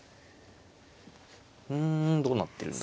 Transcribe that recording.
うんどうなってるんだ。